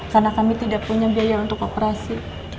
karena kami tidak punya biaya untuk operasi